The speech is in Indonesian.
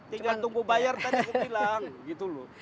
tinggal tunggu bayar tadi kebilang gitu loh